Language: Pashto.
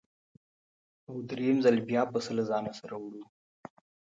او درېیم ځل بیا پسه له ځانه سره وړو.